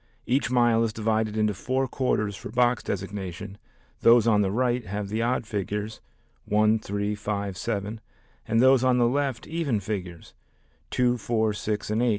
Each mile is divided into four quarters for box designation, those on the right have the odd figures 1, 3, 5, 7, and those on the left even figures 2, 4, 6, and 8.